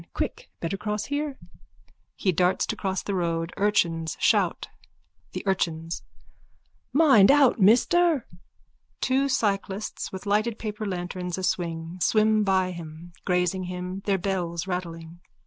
Quick. Better cross here. (He darts to cross the road. Urchins shout.) THE URCHINS: Mind out, mister! (_Two cyclists, with lighted paper lanterns aswing, swim by him, grazing him, their bells rattling.